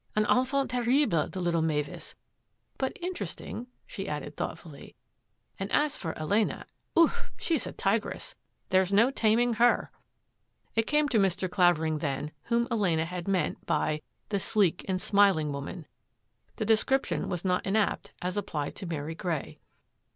An enfant terrible, the little Mavis, but interest ing," she added thoughtfully. " And as for Elena, ouf ! she is a tigress — there's no taming her." It came to Mr. Clavering then whom Elena had meant by " the sleek and smiling woman." The description was not inapt as applied to Mary Grey.